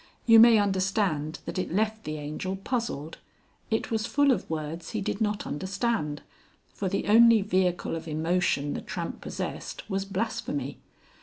You may understand that it left the Angel puzzled. It was full of words he did not understand, for the only vehicle of emotion the Tramp possessed was blasphemy.